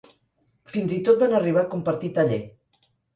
Fins i tot van arribar a compartir taller.